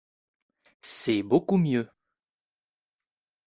C’est beaucoup mieux